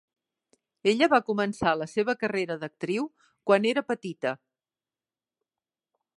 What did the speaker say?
Ella va començar la seva carrera d'actriu quan era petita.